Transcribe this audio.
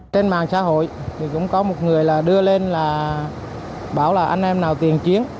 trên mạng xã hội thì cũng có một người là đưa lên là bảo là anh em nào tiền chiến